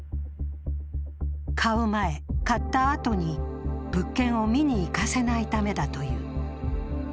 買う前、買ったあとに物件を見に行かせないためだという。